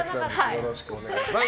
よろしくお願いします。